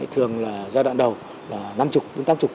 thường là giai đoạn đầu là năm mươi đến tám mươi